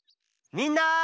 みんな！